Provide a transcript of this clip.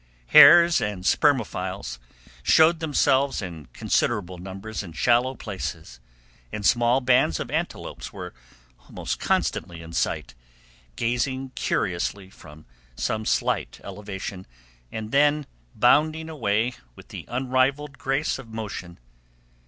Hares and spermophiles showed themselves in considerable numbers in shallow places, and small bands of antelopes were almost constantly in sight, gazing curiously from some slight elevation, and then bounding swiftly away with unrivaled grace of motion.